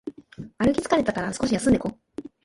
歩き疲れたから少し休んでいこう